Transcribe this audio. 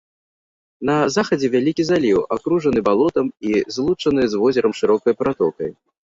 На захадзе вялікі заліў, акружаны балотам і злучаны з возерам шырокай пратокай.